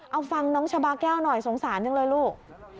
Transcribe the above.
เอาฟังน้องชาบาแก้วหน่อยสงสารจังเลยลูก